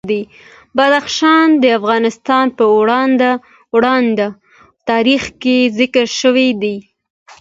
بدخشان د افغانستان په اوږده تاریخ کې ذکر شوی دی.